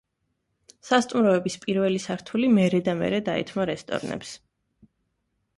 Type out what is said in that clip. სასტუმროების პირველი სართული მერე და მერე დაეთმო რესტორნებს.